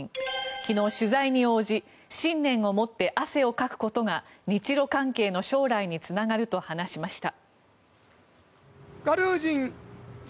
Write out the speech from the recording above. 昨日、取材に応じ信念を持って汗をかくことが日ロ関係の将来につながると話しました。